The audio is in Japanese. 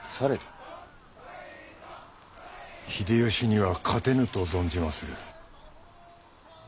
秀吉には勝てぬと存じまする。